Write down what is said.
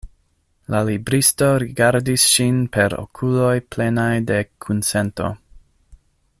La libristo rigardis ŝin per okuloj plenaj de kunsento.